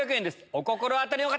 お心当たりの方！